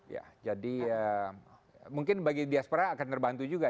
ya jadi mungkin bagi diaspora akan terbantu juga